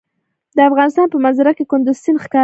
د افغانستان په منظره کې کندز سیند ښکاره ده.